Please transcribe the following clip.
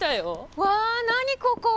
うわ何ここ！？